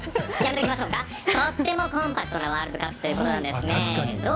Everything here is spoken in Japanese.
とってもコンパクトなワールドカップなんですね。